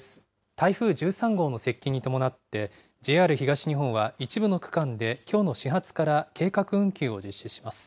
台風１３号の接近に伴って、ＪＲ東日本は一部の区間できょうの始発から計画運休を実施します。